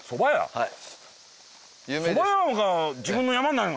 はい。